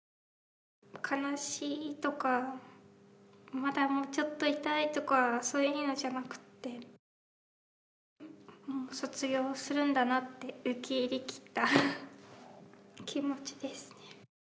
「かなしい」とか「まだもうちょっといたい」とかそういうのじゃなくてもう卒業するんだなって受け入れきった気持ちですね。